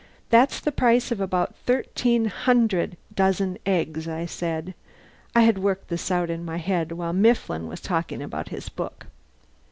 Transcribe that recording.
That's the price of about thirteen hundred dozen eggs," I said. (I had worked this out in my head while Mifflin was talking about his book.)